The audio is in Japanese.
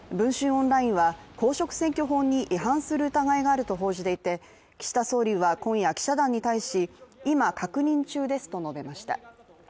オンラインは公職選挙法に違反する疑いがあると報じていて、岸田総理は今夜記者団に対し「今、確認中です」と述べました。